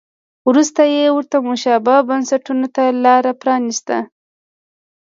وروسته یې ورته مشابه بنسټونو ته لار پرانیسته.